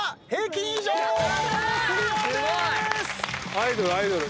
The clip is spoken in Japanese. アイドルアイドル。